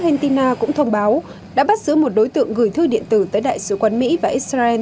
entina cũng thông báo đã bắt giữ một đối tượng gửi thư điện tử tới đại sứ quán mỹ và israel